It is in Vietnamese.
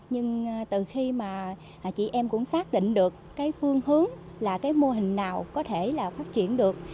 nhưng từ khi mà chị em cũng xác định được cái phương hướng là cái mô hình nào có thể là phát triển được